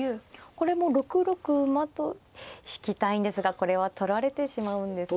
これも６六馬と引きたいんですがこれは取られてしまうんですか。